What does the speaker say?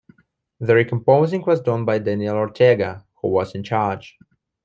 The recomposing was done by Daniel Ortego who was in charge.